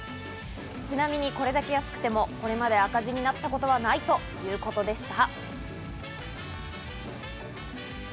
ちなみにこれだけ安くても、これまで赤字になったことはないということでした。